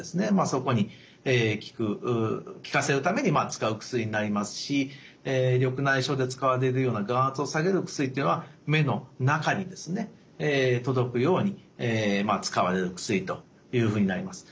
そこに効かせるために使う薬になりますし緑内障で使われるような眼圧を下げる薬っていうのは目の中にですね届くように使われる薬というふうになります。